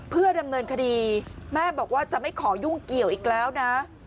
เพื่อดำเนินคดีแม่บอกว่าจะไม่ขอยุ่งเกี่ยวอีกแล้วนะ